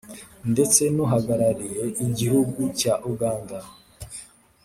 ndetse n'uhagarariye igihugu cya uganda